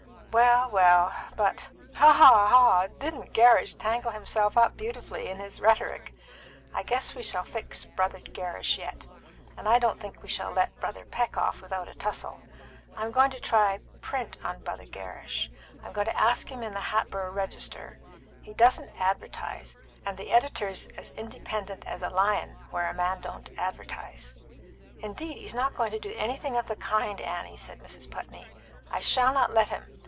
Well! well! But haw! haw! haw! didn't Gerrish tangle himself up beautifully in his rhetoric? I guess we shall fix Brother Gerrish yet, and I don't think we shall let Brother Peck off without a tussle. I'm going to try print on Brother Gerrish. I'm going to ask him in the Hatboro' Register he doesn't advertise, and the editor's as independent as a lion where a man don't advertise " "Indeed he's not going to do anything of the kind, Annie," said Mrs. Putney. "I shall not let him.